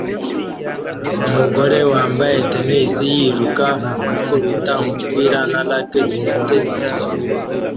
Umugore wambaye tennis yiruka gukubita umupira na racket ye ya tennis